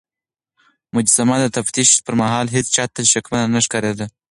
مجسمه د تفتيش پر مهال هيڅ چا ته شکمنه نه ښکارېده.